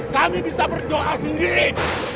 kami bisa berdoa sendiri